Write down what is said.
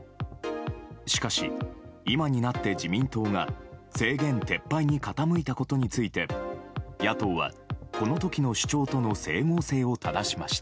しかし、今になって自民党が制限撤廃に傾いたことについて野党は、この時の主張との整合性をただしました。